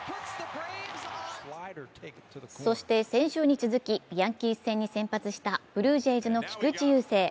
そして、先週に続きヤンキース戦に先発したブルージェイズの菊池雄星。